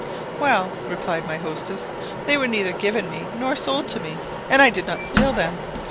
"Well," replied my hostess, "they were neither given me, nor sold to me, and I did not steal them.